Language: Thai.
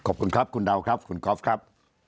ขอบคุณครับคุณดาวครับคุณก๊อฟครับ